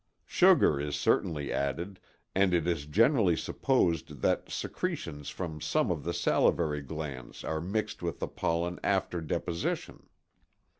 Sugar is certainly added, and it is generally supposed that secretions from some of the salivary glands are mixed with the pollen after deposition.